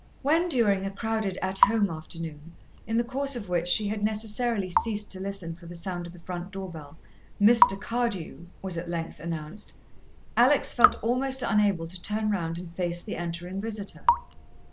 When, during a crowded At Home afternoon, in the course of which she had necessarily ceased to listen for the sound of the front door bell, "Mr. Cardew" was at length announced, Alex felt almost unable to turn round and face the entering visitor.